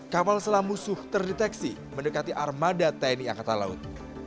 kapal selam musuh terdeteksi mendekati armada tni angkatan laut